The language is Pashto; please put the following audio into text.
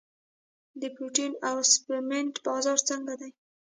د پروټین او سپلیمنټ بازار څنګه دی؟